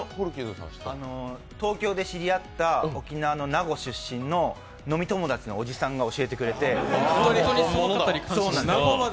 東京で知り合った沖縄の名護出身の飲み友達のおじさんが教えてくれて。